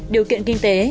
điều kiện kinh tế